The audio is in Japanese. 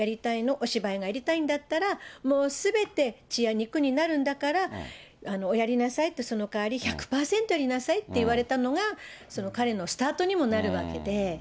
お芝居をやりたいんだったら、もうすべて血や肉になるんだから、おやりなさいって、そのかわり、１００％やりなさいって言われたのが、その彼のスタートにもなるわけで。